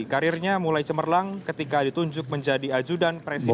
karirnya mulai cemerlang ketika ditunjuk menjadi ajudan presiden